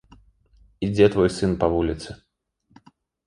Ідзе твой сын па вуліцы.